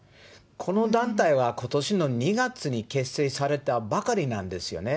この団体はことしの２月に結成されたばかりなんですよね。